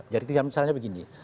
jadi misalnya begini